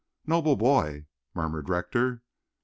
"Noble boy!" murmured Rector.